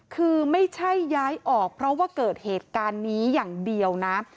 คือไม่ใช่ย้ายออกเพราะว่าเกิดเหตุการณ์นี้อย่างเดียวนะ